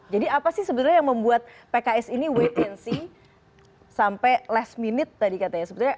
jadi apa sih yang membuat pks ini wait and see sampai last minute tadi katanya